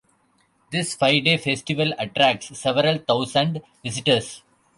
This five-day festival attracts several thousand visitors.